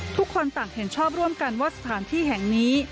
ทุกคนต่างเห็นชอบร่วมกันว่าสถานที่แห่งนี้